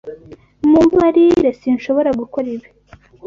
Mumbabarire, sinshobora gukora ibi.